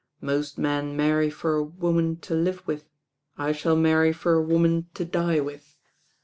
"Most men marry for a woman to live with, I shall marry for a woman to die with.